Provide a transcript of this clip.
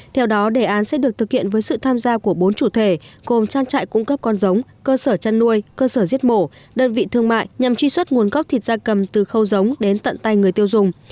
theo đó đề án sẽ được thực hiện với sự tham gia của bốn chủ thể gồm trang trại cung cấp con giống cơ sở chăn nuôi cơ sở giết mổ đơn vị thương mại nhằm truy xuất nguồn gốc thịt gia cầm từ khâu giống đến tận tay người tiêu dùng